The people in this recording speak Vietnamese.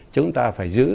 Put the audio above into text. chúng ta phải giữ